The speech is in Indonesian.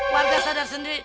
warga sadar sendiri